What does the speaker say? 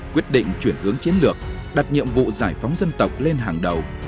quyết định chuyển hướng chiến lược đặt nhiệm vụ giải phóng dân tộc lên hàng đầu